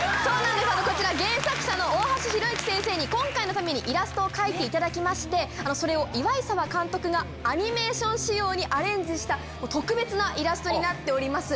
こちら原作者の大橋裕之先生に今回のためにイラストを描いていただきましてそれを岩井澤監督がアニメーション仕様にアレンジした特別なイラストになっております。